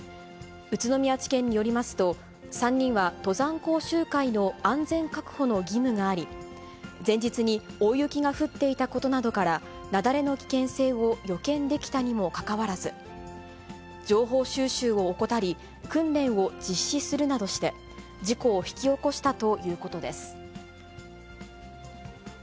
宇都宮地検によりますと、３人は登山講習会の安全確保の義務があり、前日に大雪が降っていたことなどから、雪崩の危険性を予見できたにもかかわらず、情報収集を怠り、訓練を実施するなどして、事故を引き起こしたということです。